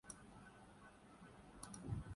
مشرق وسطی میں اضطراب ہے اور ہم اس کی زد میں ہیں۔